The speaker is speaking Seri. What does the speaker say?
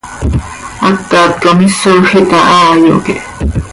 Hacat com isoj itahaa, yoque.